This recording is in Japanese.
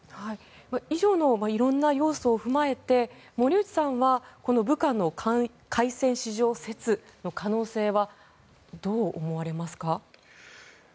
以上のいろんな要素を踏まえて、森内さんは武漢の海鮮市場説の可能性はどう思われますか。